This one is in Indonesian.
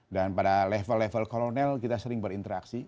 dan pada level level kolonel kita sering berinteraksi